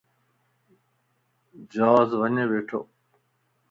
جواز وڃ ٻيڻھو